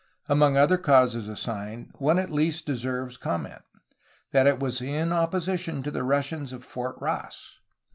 Among other causes assigned, one at least deserves comment : that it was in opposition to the Russians of Fort Ross.